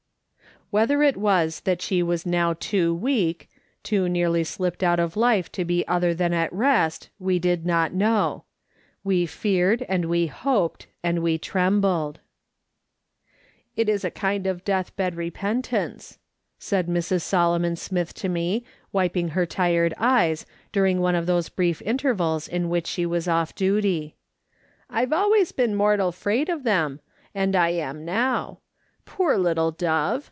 Whether it was that she was now too weak, too nearly slipped out of life to be other than at rest, we did not know ; we feared, and we hoped, and we trembled. 174 MRS. SOLOMON SMITH LOOKING ON. " It is a kind of death bed repentance," said Mrs. Solomon Smith to me, wiping her tired eyes, during one of those brief intervals in which she was off duty. " I've always been mortal 'fraid of them, and I am now. Poor little dove